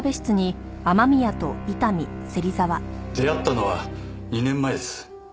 出会ったのは２年前です。